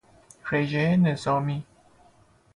رژه نظامی